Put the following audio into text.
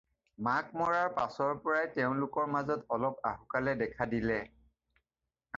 মাক মৰাৰ পাচৰ পৰাই তেওঁলোকৰ মাজত অলপ আহুকালে দেখা দিলে।